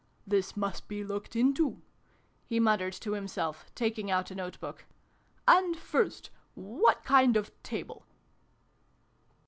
" This must be looked into," he muttered to himself, taking out a note book. " And first what kind of table